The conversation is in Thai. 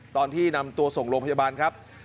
ตอนที่นำตัวส่งโรงพยาบาลครับ